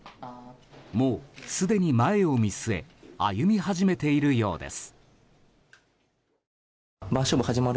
もうすでに前を見据え歩み始めているようです。